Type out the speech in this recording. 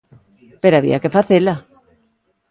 Pero había que facela.